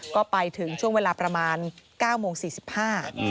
ก็ไปถึงช่วงเวลาประมาณ๙โมง๔๕บาท